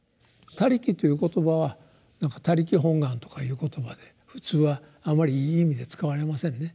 「他力」という言葉はなんか「他力本願」とかいう言葉で普通はあまりいい意味で使われませんね。